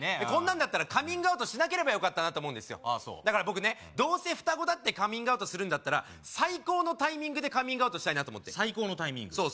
こんなんだったらカミングアウトしなければよかったなと思いますだから僕ねどうせ双子だってカミングアウトするんだったら最高のタイミングでカミングアウトしたいなと思って最高のタイミング？